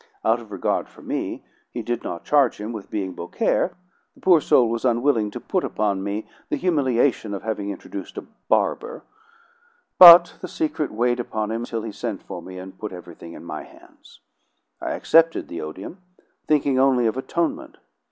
Out of regard for me, he did not charge him with being Beaucaire; the poor soul was unwilling to put upon me the humiliation of having introduced a barber; but the secret weighed upon him till he sent for me and put everything in my hands. I accepted the odium; thinking only of atonement.